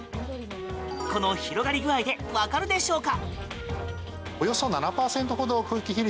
この広がり具合でわかるでしょうか。